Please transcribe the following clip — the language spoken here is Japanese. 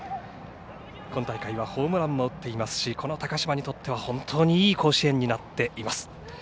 今大会はホームランも打っていますし、この高嶋にとっては本当にいい甲子園になっています。